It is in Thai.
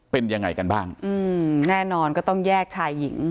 เป็นยังไงกันบ้างอืมแน่นอนก็ต้องแยกชายหญิง